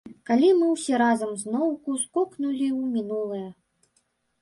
Калі мы ўсе разам зноўку скокнулі ў мінулае.